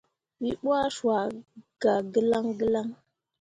Wǝ ɓuah cua gah gǝlaŋ gǝlaŋ.